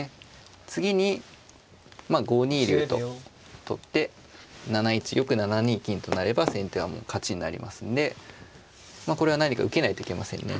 次にまあ５二竜と取って７一玉７二金となれば先手はもう勝ちになりますのでこれは何か受けないといけませんね。